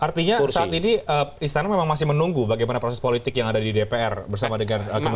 artinya saat ini istana memang masih menunggu bagaimana proses politik yang ada di dpr bersama dengan kementerian